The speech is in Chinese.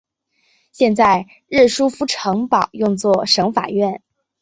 现在热舒夫城堡用作省法院。